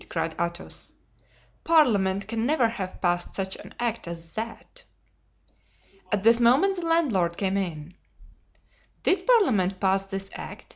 cried Athos. "Parliament can never have passed such an act as that." At this moment the landlord came in. "Did parliament pass this act?"